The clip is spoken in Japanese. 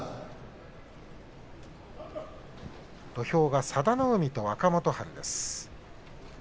土俵は佐田の海と若元春です。